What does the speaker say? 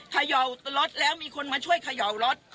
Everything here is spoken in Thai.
เขย่ารถแล้วมีคนมาช่วยเขย่ารถ